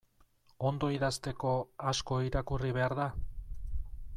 Ondo idazteko, asko irakurri behar da?